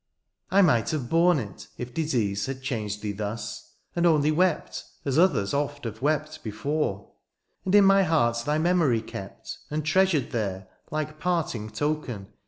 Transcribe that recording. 171 r —' I might have bom it if disease Had changed thee thus, and only wept. As others oft have wept before. And in my heart thy memory kept, And treasm*ed there, like partmg token.